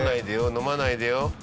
飲まないでよ。